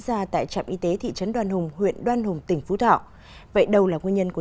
ra tại trạm y tế thị trấn đoan hùng huyện đoan hùng tỉnh phú thọ vậy đâu là nguyên nhân của